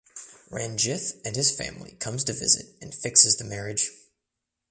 Ranjith and his family comes to visit and fixes the marriage.